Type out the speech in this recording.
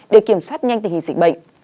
để kiểm soát nhanh tình hình dịch bệnh